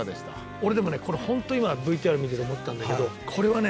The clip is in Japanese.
俺でもねホント今ＶＴＲ見てて思ったんだけどこれはね